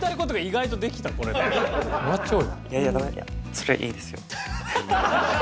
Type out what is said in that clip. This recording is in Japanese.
それはいいですよ。